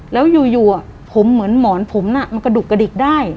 แล้วอยู่ผมเหมือนหมอนผมน่ะมันกระดุกกระดิกได้